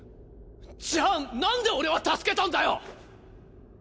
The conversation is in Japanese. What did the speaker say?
じゃあなんで俺は助けたんだよ